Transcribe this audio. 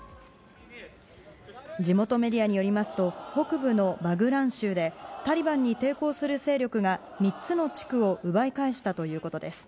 地元メディアによりますと北部のバグラン州でタリバンに抵抗する勢力が３つの地区を奪い返したということです。